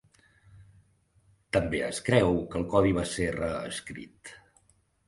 També es creu que el codi va ser reescrit.